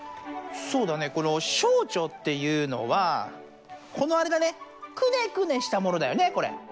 そうだねこの小腸っていうのはこのあれだねクネクネしたものだよねこれ！